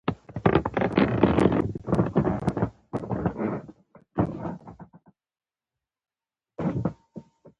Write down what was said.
تاسو د خپل حساب امنیتي تنظیمات پخپله کولی شئ.